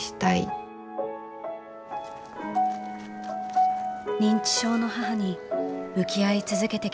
「認知症の母に向き合い続けてきた７年。